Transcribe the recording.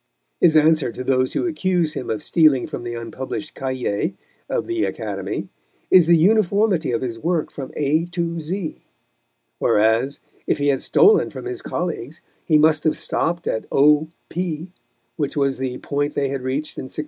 His answer to those who accuse him of stealing from the unpublished cahiers of the Academy is the uniformity of his work from A to Z; whereas, if he had stolen from his colleagues, he must have stopped at O P, which was the point they had reached in 1684.